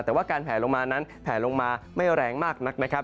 แต่ว่าการแผลลงมานั้นแผลลงมาไม่แรงมากนักนะครับ